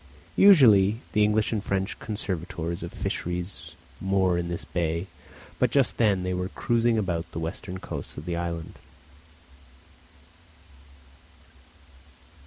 Usually the English and French conservators of fisheries moor in this bay, but just then they were cruising about the western coasts of the island.